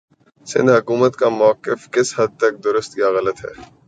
سندھ حکومت کا موقفکس حد تک درست یا غلط ہے